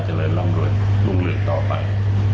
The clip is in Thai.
เจริญร่ำรวยรุ่งเรืองต่อไป